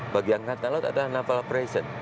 bagian katalog adalah naval operation